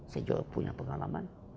saya juga punya pengalaman